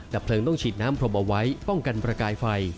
เพลิงต้องฉีดน้ำพรมเอาไว้ป้องกันประกายไฟ